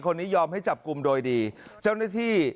ยอมให้จับกลุ่มโดยดีเจ้าหน้าที่